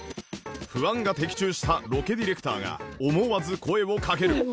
不安が的中したロケディレクターが思わず声をかける